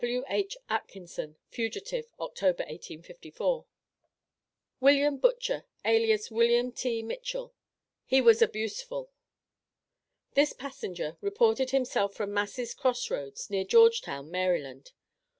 W.H. ATKINSON, Fugitive, Oct., 1854. WILLIAM BUTCHER, ALIAS WILLIAM T. MITCHELL. "HE WAS ABUSEFUL." This passenger reported himself from Massey's Cross Roads, near Georgetown, Maryland.